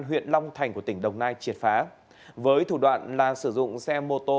huyện long thành của tỉnh đồng nai triệt phá với thủ đoạn là sử dụng xe mô tô